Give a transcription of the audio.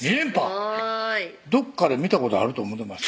すごいどっかで見たことあると思てました